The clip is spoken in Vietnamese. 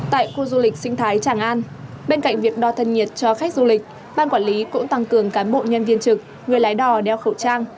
tại khu du lịch sinh thái tràng an bên cạnh việc đo thân nhiệt cho khách du lịch ban quản lý cũng tăng cường cán bộ nhân viên trực người lái đò đeo khẩu trang